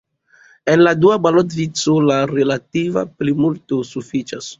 En la dua balotvico, la relativa plimulto sufiĉas.